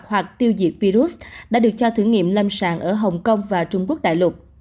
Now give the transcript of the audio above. hoặc tiêu diệt virus đã được cho thử nghiệm lâm sàng ở hồng kông và trung quốc đại lục